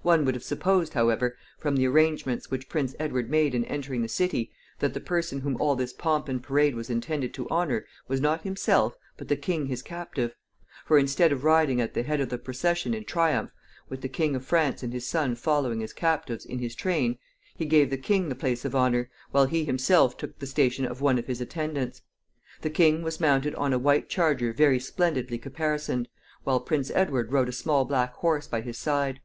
One would have supposed, however, from the arrangements which Prince Edward made in entering the city, that the person whom all this pomp and parade was intended to honor was not himself, but the king his captive; for, instead of riding at the head of the procession in triumph, with the King of France and his son following as captives in his train, he gave the king the place of honor, while he himself took the station of one of his attendants. The king was mounted on a white charger very splendidly caparisoned, while Prince Edward rode a small black horse by his side.